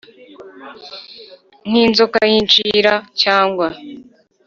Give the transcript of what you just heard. nk’inzoka y’inshira cyangwa